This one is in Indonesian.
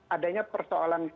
adanya persoalan yang terjadi